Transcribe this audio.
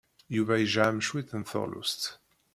Yuba yejɣem cwiṭ n teɣlust.